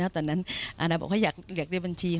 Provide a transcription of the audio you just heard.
ตอนนั้นอาณาบอกว่าอยากได้บัญชี